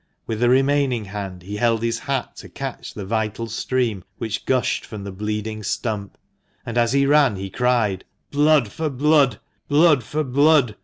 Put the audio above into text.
With the remaining hand he held his hat to catch the vital stream which gushed from the bleeding stump ; and as he ran, he cried " Blood for blood ! blood for blood